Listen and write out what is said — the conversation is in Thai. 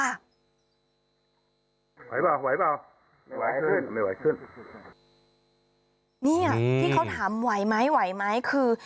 ไหวเปล่าไหวเปล่าไม่ไหวขึ้นไม่ไหวขึ้นเนี่ยที่เขาถามไหวไหมไหวไหมคือ